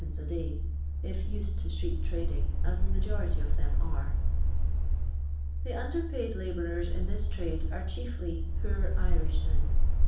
a day, if used to street trading, as the majority of them are. The under paid labourers in this trade are chiefly poor Irishmen.